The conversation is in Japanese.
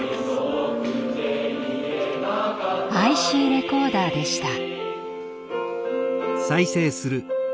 ＩＣレコーダーでした。